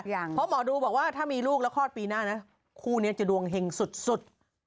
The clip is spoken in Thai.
เพราะหมอดูบอกว่าถ้ามีลูกแล้วคลอดปีหน้านะคู่นี้จะดวงเห็งสุด